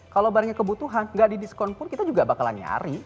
kalau barangnya kebutuhan nggak di diskon pun kita juga bakalan nyari